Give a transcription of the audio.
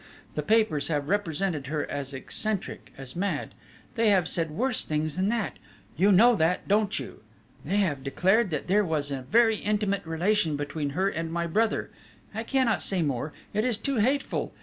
The papers have represented her as eccentric, as mad; they have said worse things than that, you know that, don't you?... They have declared that there was a very intimate relation between her and my brother I cannot say more it is too hateful!